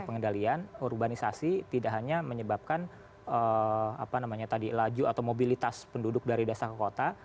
pengendalian urbanisasi tidak hanya menyebabkan tadi laju atau mobilitas penduduk dari desa ke kota